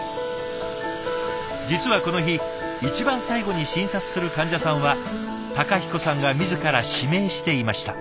実はこの日一番最後に診察する患者さんは孝彦さんが自ら指名していました。